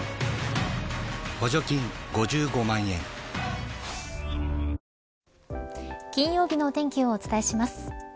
本麒麟金曜日のお天気をお伝えします。